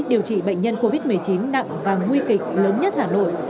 điều trị bệnh nhân covid một mươi chín nặng và nguy kịch lớn nhất hà nội